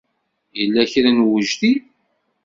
Yella kra n ujdid?